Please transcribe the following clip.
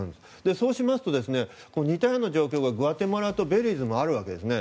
そうしますと似たような状況がグアテマラとベリーズにもあるわけですね。